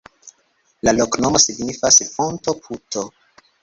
La loknomo signifas: fonto-puto.